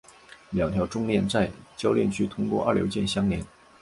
两条重链在铰链区通过二硫键相连。